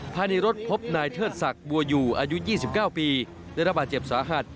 ภายในรถพบนายเทิดศักดิ์บัวอยู่อายุ๒๙ปีได้รับบาดเจ็บสาหัส